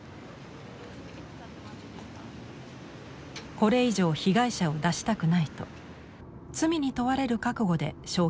これ以上被害者を出したくないと罪に問われる覚悟で証言しました。